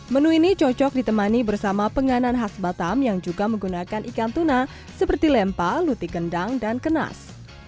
menu ini cocok ditemani bersama penganan khas batam yang juga menggunakan ikan tuna seperti lempa luti gendang dan kenas